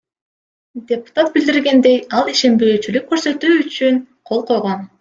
Депутат билдиргендей, ал ишенбөөчүлүк көрсөтүү үчүн кол койгон.